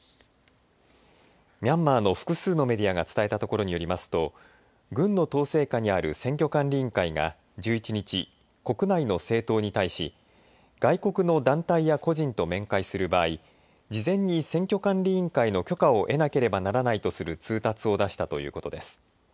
ミャンマーの複数のメディアが伝えたところによりますと軍の統制下にある選挙管理委員会が１１日国内の政党に対し外国の団体や個人と面会する場合事前に選挙管理委員会の許可を得なければならないとする通達を出したということです。